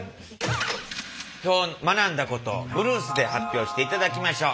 今日学んだことブルースで発表していただきましょう。